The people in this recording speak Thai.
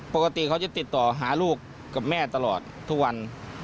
ปกติเขาจะติดต่อหาลูกกับแม่ตลอดทุกวัน